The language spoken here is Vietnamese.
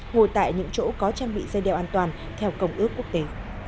ngồi tại những chỗ có trang bị dây đeo an toàn theo công ước quốc tế